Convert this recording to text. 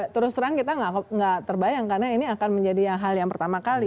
terus terang kita nggak terbayang karena ini akan menjadi hal yang pertama kali